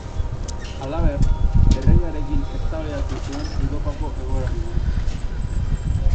Halaber, Erregearekin eztabaidatzen zuen Europako egoerari buruz.